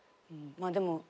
まあでも。